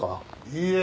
いいえ。